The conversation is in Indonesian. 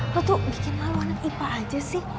lo tuh bikin malu anak ipa aja sih